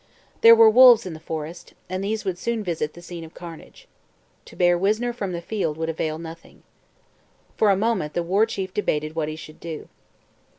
There were wolves in the forest, and these would soon visit the scene of carnage. To bear Wisner from the field would avail nothing. For a moment the War Chief debated what he should do.